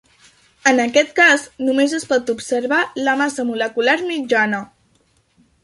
En aquest cas només es pot observar la massa molecular mitjana.